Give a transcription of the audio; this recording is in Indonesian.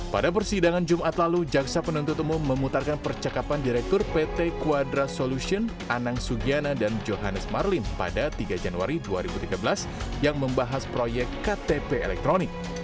pada persidangan jumat lalu jaksa penuntut umum memutarkan percakapan direktur pt quadra solution anang sugiana dan johannes marlim pada tiga januari dua ribu tiga belas yang membahas proyek ktp elektronik